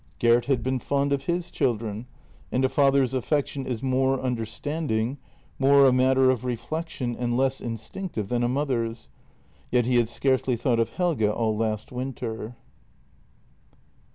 Gert had been fond of his children — and a father's affection is more understanding, more a matter of reflection and less instinctive than a mother's — yet he had scarcely thought of Helge all last winter.